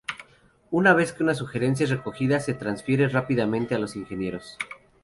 Una vez que una sugerencia es recogida, se transfiere rápidamente a los ingenieros.